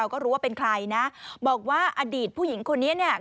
ก็รู้ว่าเป็นใครนะบอกว่าอดีตผู้หญิงคนนี้เนี่ย